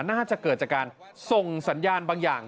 น่าจะเกิดจากการส่งสัญญาณบางอย่าง